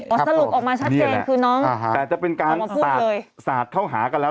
เขาสรุปออกมาชัดแจนคือน้องกลงมาพูดเลยนี่แหละแกจะเป็นการสาดเข้าหากันแล้ว